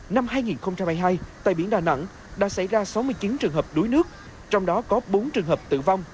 năm hai nghìn hai mươi hai tại biển đà nẵng đã xảy ra sáu mươi chín trường hợp đuối nước trong đó có bốn trường hợp tử vong